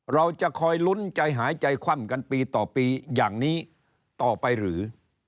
เราจะคอยลุ้นใจหายใจคว่ำกันปีต่อปีอย่างนี้ต่อไปหรือ